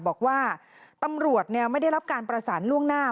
บอกว่าตำรวจไม่ได้รับการประสานล่วงหน้า